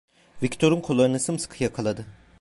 Viktor'un kollarını sımsıkı yakaladı.